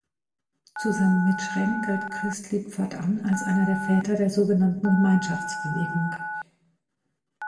Zusammen mit Schrenk galt Christlieb fortan als einer der Väter der sogenannten Gemeinschaftsbewegung.